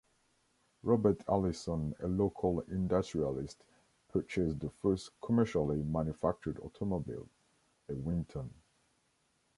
Robert Allison a local industrialist, purchased the first commercially manufactured automobile, a Winton.